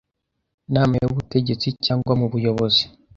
nama y ubutegetsi cyangwa mu buyobozi